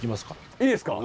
いいですか？